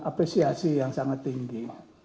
apresiasi yang sangat tinggi